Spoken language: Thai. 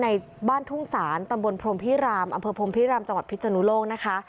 ในบ้านทุ่งศาลตำบลพรมพิรามอำเภอพรมพิรามจังหวัดพิศนุโลกนะคะ